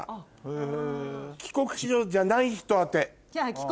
帰国子女じゃない人当て？